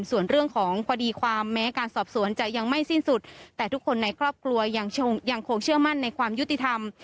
ส่วนเรื่องของคดีความแม้การสอบสวนจะยังไม่สิ้นสุดแต่ทุกคนในครอบครัวยังคงเชื่อมั่นในความยุติธรรม